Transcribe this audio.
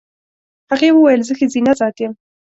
هغې وویل زه ښځینه ذات یم.